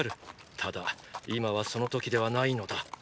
ただ今はその時ではないのだ。